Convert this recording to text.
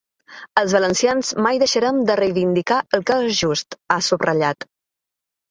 “Els valencians mai deixarem de reivindicar el que és just”, ha subratllat.